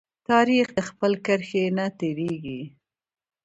تاریخ د خپل کرښې نه تیریږي.